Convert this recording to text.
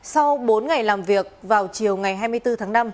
sau bốn ngày làm việc vào chiều ngày hai mươi bốn tháng năm